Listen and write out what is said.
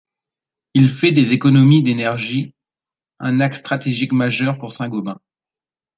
Il fait des économies d'énergie un axe stratégique majeur pour Saint-Gobain.